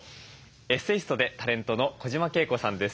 エッセイストでタレントの小島慶子さんです。